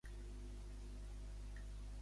Com va actuar Antènor?